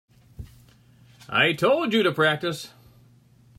I told you to practice.